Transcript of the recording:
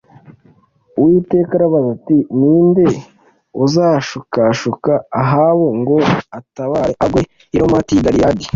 Uwiteka arabaza ati ‘Ni nde uzashukashuka Ahabu ngo atabare agwe i Ramoti y’i Galeyadi?’